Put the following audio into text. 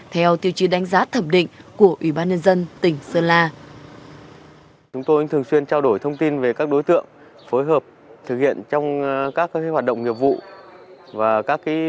theo tiêu chí đánh giá thẩm định của ủy ban nhân dân tỉnh sơn la